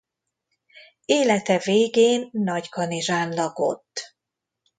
Élete végén Nagykanizsán lakott.